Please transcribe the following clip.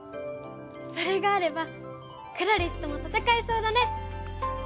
それがあればクラリスとも戦えそうだね！